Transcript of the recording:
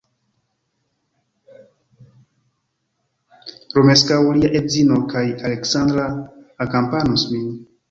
Romeskaŭ, lia edzino kaj Aleksandra akampanus min.